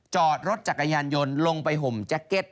จอดรถจักรยานยนต์ลงไปห่มแจ็คเก็ต